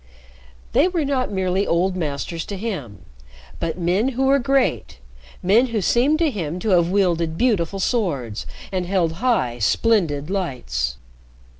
They were not merely old masters to him, but men who were great, men who seemed to him to have wielded beautiful swords and held high, splendid lights.